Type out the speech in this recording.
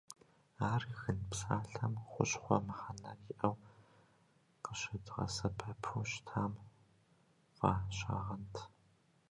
Ар «гын» псалъэм «хущхъуэ» мыхьэнэр иӏэу къыщыдгъэсэбэпу щытам фӏащагъэнт.